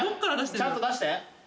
・ちゃんと出して。